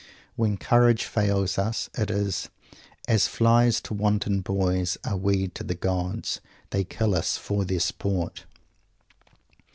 When Courage fails us, it is "as flies to wanton boys are we to the gods. They kill us for their sport."